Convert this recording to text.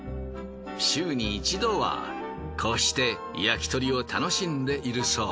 週に一度はこうして焼き鳥を楽しんでいるそう。